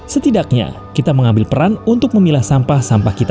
setidaknya kita mengambil peran untuk memilah sampah sampah kita